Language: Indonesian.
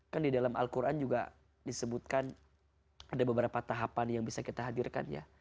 kan di dalam al quran juga disebutkan ada beberapa tahapan yang bisa kita hadirkan ya